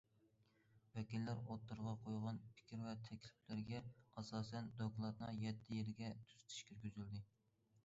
ۋەكىللەر ئوتتۇرىغا قويغان پىكىر ۋە تەكلىپلەرگە ئاساسەن، دوكلاتنىڭ يەتتە يېرىگە تۈزىتىش كىرگۈزۈلدى.